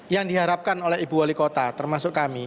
yang diharapkan oleh ibu wali kota termasuk kami